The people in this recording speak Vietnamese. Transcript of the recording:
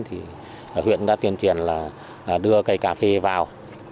thì huyện đã tuyên truyền là đưa cây cà phê vào